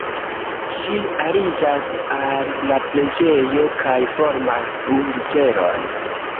Ĝi aliĝas al la preĝejo kaj formas U-literon.